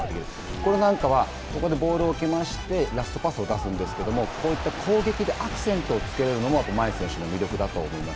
これなんかはボールを受けましてラストパスを出すんですけどもこういった攻撃でアクセントをつけれるのも前選手の魅力だと思います。